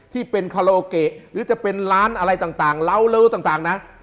ที่เป็นคารโลเกะหรือจะเป็นร้านอะไรต่างหลาวเล่า